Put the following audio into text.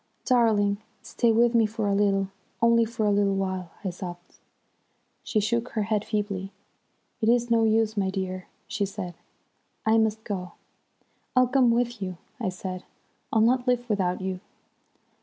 "'Darling, stay with me for a little, only for a little while!' I sobbed. "She shook her head feebly. 'It is no use, my dear,' she said, 'I must go.' "'I'll come with you,' I said, 'I'll not live without you.'